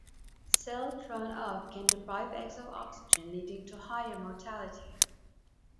Silt run-off can deprive eggs of oxygen, leading to higher mortality.